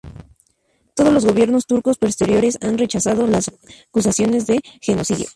Todos los gobiernos turcos posteriores han rechazado las acusaciones de genocidio.